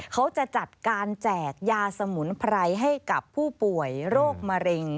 เขาจะจัดการแจกยาสมุนไพรให้กับผู้ป่วยโรคมะเร็ง